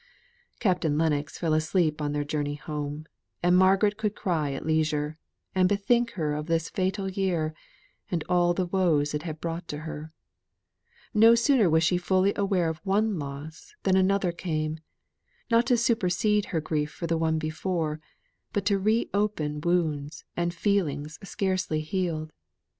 Captain Lennox fell asleep on their journey home; and Margaret could cry at leisure, and bethink her of this fatal year, and all the woes it had brought to her. No sooner was she fully aware of one loss than another came not to supersede her grief for the one before, but to re open wounds and feelings scarcely healed.